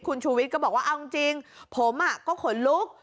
คุณชูวิทย์ก็บอกว่าเอาจริงผมก็ขนลุก